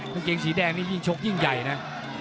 กางเกงสีแดงนี่ยิ่งชกยิ่งใหญ่นะ